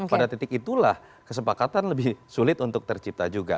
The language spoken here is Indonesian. pada titik itulah kesepakatan lebih sulit untuk tercipta juga